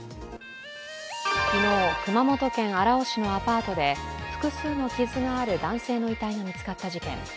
昨日、熊本県荒尾市のアパートで複数の傷がある男性の遺体が見つかった事件。